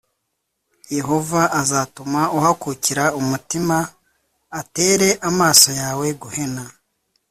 yehova azatuma uhakukira umutima,+ atere amaso yawe guhena,